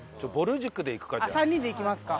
３人でいきますか。